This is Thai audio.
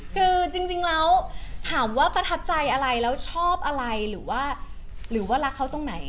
คือจริงแล้วถามว่าประทับใจอะไรแล้วชอบอะไรหรือว่าหรือว่ารักเขาตรงไหน